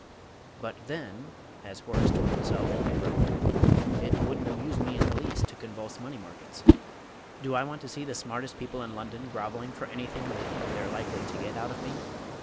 "But, then," as Horace told himself with a groan, "it wouldn't amuse me in the least to convulse money markets. Do I want to see the smartest people in London grovelling for anything they think they're likely to get out of me?